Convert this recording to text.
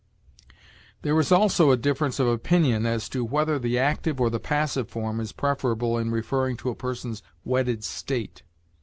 There is also a difference of opinion as to whether the active or the passive form is preferable in referring to a person's wedded state.